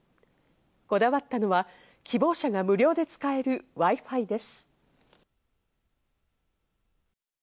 こだわったのは、希望者が無料で使えるＷｉ−Ｆｉです。